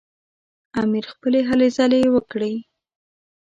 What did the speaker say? امیر خپلې هلې ځلې وکړې.